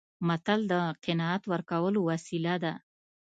متل د قناعت ورکولو وسیله ده